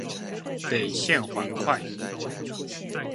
北縣環快